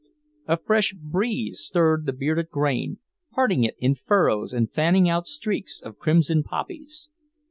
A fresh breeze stirred the bearded grain, parting it in furrows and fanning out streaks of crimson poppies.